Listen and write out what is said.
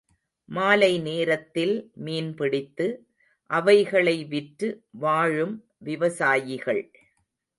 மாலை நேரத்தில் மீன் பிடித்து, அவைகளை விற்று வாழும் விவசாயிகள்.